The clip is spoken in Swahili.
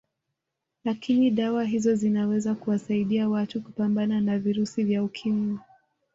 Lakini dawa hizo zinaweza kuwasaidia watu kupambana na virusi vya Ukimwi